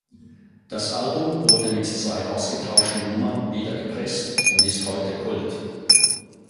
Das Album wurde mit zwei ausgetauschten Nummern wieder gepresst und ist heute Kult.